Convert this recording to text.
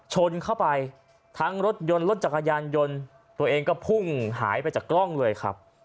ชนเข้าไปทั้งรถยนต์รถจักรยานยนต์ตัวเองก็พุ่งหายไปจากกล้องเลยครับ